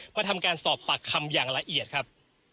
มาทำการสอบปากคำอย่างละเอียดครับ